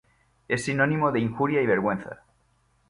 Es sinónimo de injuria y vergüenza.